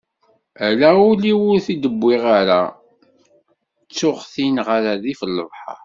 Ala ul-iw ur t-id-wwiγ ara, ttuγ-t-in γef rrif n lebḥeṛ.